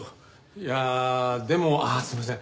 いやあでもああすいません。